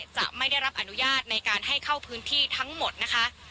จะไม่ได้รับอนุญาตในการให้เข้าพื้นที่ทั้งหมดนะคะ